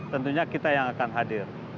tentunya kita yang akan hadir